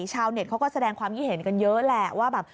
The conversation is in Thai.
ชาวเน็ตเขาก็แสดงความคิดเห็นกันเยอะแหละว่าแบบ